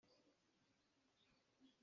Rawl na ka pek mi kha kaa za ko.